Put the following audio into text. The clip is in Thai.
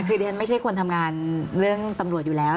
คือดิฉันไม่ใช่คนทำงานเรื่องตำรวจอยู่แล้ว